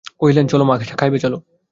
কহিলেন, চলো মা, চা খাইবে চলো।